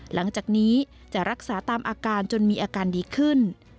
หลังจากนี้จะรักษาตามอาการจนมีอาการดีขึ้น